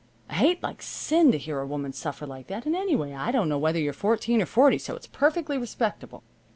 I hate like sin to hear a woman suffer like that, and, anyway, I don't know whether you're fourteen or forty, so it's perfectly respectable.